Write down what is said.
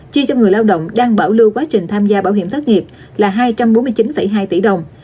chi cho người lao động đang bảo lưu quá trình tham gia bảo hiểm thất nghiệp là hai trăm bốn mươi chín hai tỷ đồng